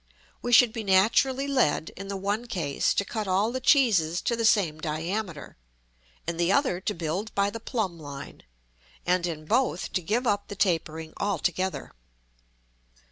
We should be naturally led, in the one case, to cut all the cheeses to the same diameter; in the other to build by the plumb line; and in both to give up the tapering altogether.